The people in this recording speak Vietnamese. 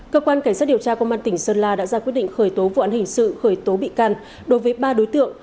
cơ quan cảnh sát điều tra công an tỉnh sơn la đã ra quyết định khởi tố vụ án hình sự khởi tố bị can đối với ba đối tượng